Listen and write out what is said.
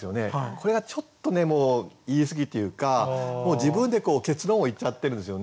これがちょっとね言い過ぎっていうかもう自分で結論を言っちゃってるんですよね。